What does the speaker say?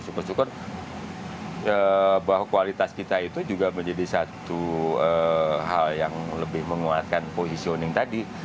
syukur syukur bahwa kualitas kita itu juga menjadi satu hal yang lebih menguatkan positioning tadi